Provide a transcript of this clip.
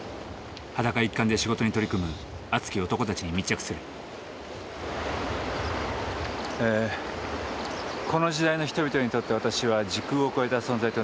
裸一貫で仕事に取り組む熱き男たちに密着するこの時代の人々にとって私は時空を超えた存在となります。